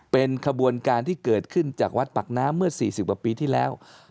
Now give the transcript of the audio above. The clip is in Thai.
เป็นขบวนการที่เกิดขึ้นจากวัดปากน้ำเมื่อ๔๐กว่าปีที่แล้ว